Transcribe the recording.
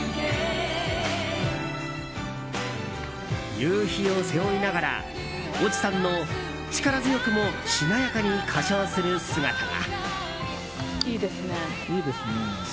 夕日を背負いながら越智さんの力強くもしなやかに歌唱する姿が。